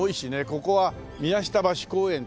ここは宮下橋公園。